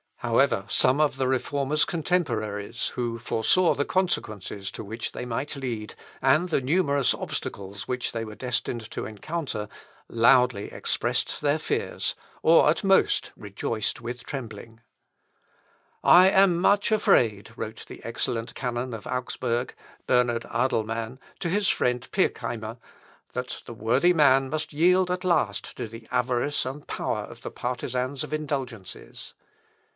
However, some of the Reformer's contemporaries, who foresaw the consequences to which they might lead, and the numerous obstacles which they were destined to encounter, loudly expressed their fears, or at most rejoiced with trembling. "Darvon Magister Johann. Huss, geweissaget." (Mathes. 13.) "I am much afraid," wrote the excellent canon of Augsburg, Bernard Adelman, to his friend Pirckeimer, "that the worthy man must yield at last to the avarice and power of the partizans of indulgences.